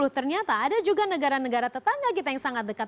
ternyata ada juga negara negara tetangga kita yang sangat dekat